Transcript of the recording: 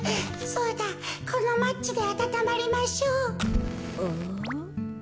そうだこのマッチであたたまりましょう。